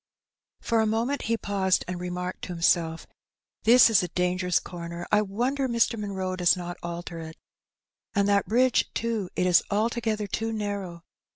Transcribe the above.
For a moment he paused and 238 Her Benny. remarked to himself^ "This is a dangerous C5omer; I wonder Mr. Monroe does not alter it; and that bridge^ too^ it is altogether too narrow.